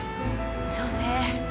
そうね。